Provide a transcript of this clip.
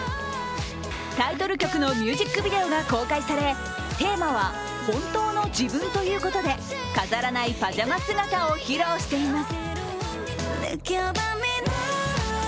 タイトル曲のミュージックビデオが公開されテーマは本当の自分ということで飾らないパジャマ姿を披露しています。